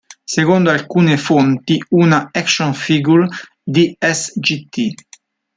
Secondo alcune fonti, una action figure di Sgt.